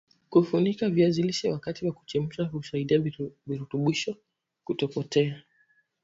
kufunika viazi lishe wakati wa kuchemsha husaidia virutubisho kutokupotea